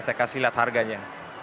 saya kasih lihat harganya